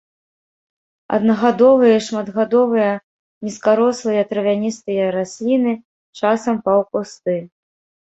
Аднагадовыя і шматгадовыя нізкарослыя травяністыя расліны, часам паўкусты.